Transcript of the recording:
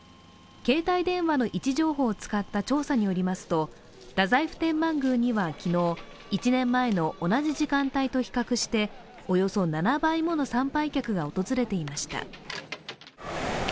携帯電話の位置情報を使った調査によりますと太宰府天満宮には昨日、１年前の同じ時間帯と比較しておよそ７倍もの参拝客が訪れていました。